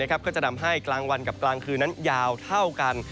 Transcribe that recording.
ก็จะทำให้กลางวันกับกลางคืนนั้นยาวเท่ากัน